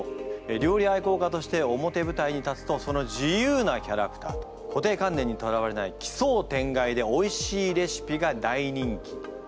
料理愛好家として表舞台に立つとその自由なキャラクターと固定観念にとらわれない奇想天外でおいしいレシピが大人気。